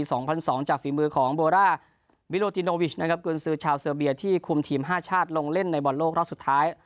หลังจากฝีมือของโบราวิโลติโนวิชคนซื้อชาวเสิร์ฟเบียร์ที่คุมทีม๕ชาติลงเล่นในบอลโลกราศสุดท้าย